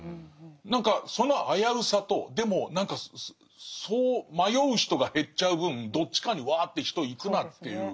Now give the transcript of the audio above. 何かその危うさとでもそう迷う人が減っちゃう分どっちかにワーッと人行くなっていう。